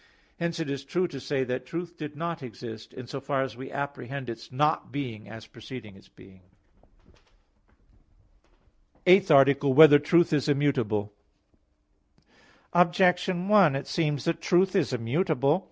Hence it is true to say that truth did not exist, in so far as we apprehend its not being as preceding its being. _______________________ EIGHTH ARTICLE [I, Q. 16, Art. 8] Whether Truth Is Immutable? Objection 1: It seems that truth is immutable.